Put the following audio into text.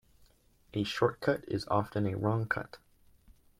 A short cut is often a wrong cut.